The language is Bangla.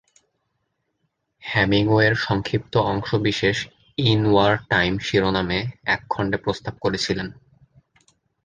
হেমিংওয়ের সংক্ষিপ্ত অংশ বিশেষ "ইন আওয়ার টাইম" শিরোনামে এক খণ্ডে প্রস্তাব করেছিলেন।